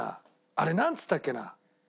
あれなんつったっけな？